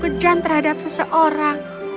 aku sangat kejam terhadap seseorang